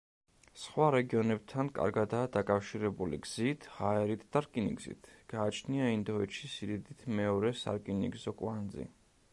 სხვა რეგიონებთან კარგადაა დაკავშირებული გზით, ჰაერით და რკინიგზით, გააჩნია ინდოეთში სიდიდით მეორე სარკინიგზო კვანძი.